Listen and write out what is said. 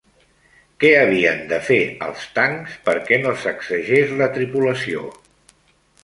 Què havien de fer als tancs perquè no sacseges la tripulació?